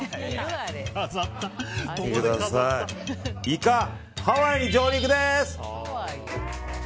イカハワイに上陸です！